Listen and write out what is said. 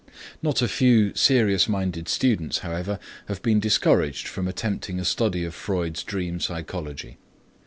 Not a few serious minded students, however, have been discouraged from attempting a study of Freud's dream psychology.